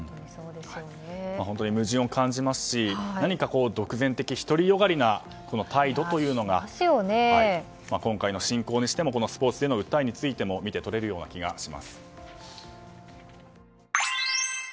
本当に矛盾を感じますし何か独善的独りよがりな態度というのが今回の侵攻にしてもスポーツへの訴えにしても見て取れるような気がします。